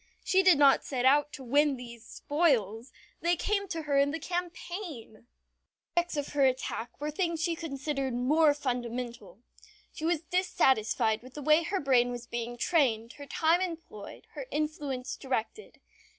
She did not set out to win these spoils. They came to her in the campaign! The objects of her attack were things she considered more fundamental. She was dissatisfied with the way her brain was being trained, her time employed, her influence directed.